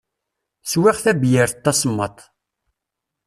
Swiɣ tabeyyirt tasemmaḍt.